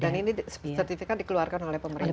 dan ini sertifikat dikeluarkan oleh pemerintah